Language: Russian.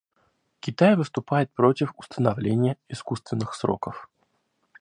Китай выступает против установления искусственных сроков.